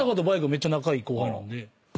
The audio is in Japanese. めっちゃ仲いい後輩なんで。